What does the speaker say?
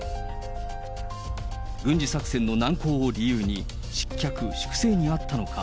軍事作戦の難航を理由に失脚、粛清にあったのか。